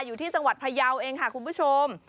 อยู่ที่จังหวัดพยาวเองค่ะคุณผู้ชม